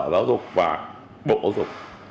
giáo dục và bộ giáo dục